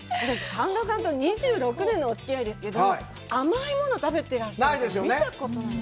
神田さんと２６年のおつき合いですけど、甘いもの食べてらっしゃるの見たことない。